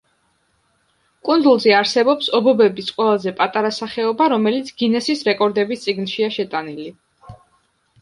კუნძულზე არსებობს ობობების ყველაზე პატარა სახეობა, რომელიც გინესის რეკორდების წიგნშია შეტანილი.